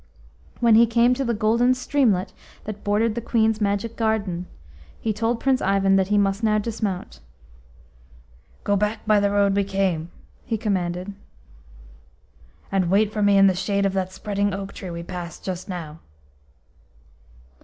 When he came to the golden streamlet that bordered the Queen's magic garden, he told Prince Ivan that he must now dismount. "Go back by the road we came," he commanded, "and wait for me in the shade of that spreading oak tree we passed just now."